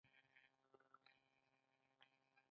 هغوی د ژمنې په بڼه ساحل سره ښکاره هم کړه.